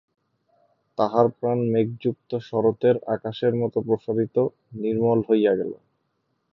তাহার প্রাণ মেঘযুক্ত শরতের আকাশের মত প্রসারিত, নির্মল হইয়া গেল।